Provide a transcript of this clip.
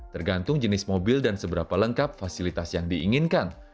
tergantung jenis mobil dan seberapa lengkap fasilitas yang diinginkan